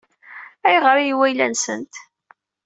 Ayɣer i yewwi ayla-nsent?